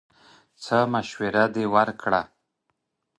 څه مشوره دې ورکړه!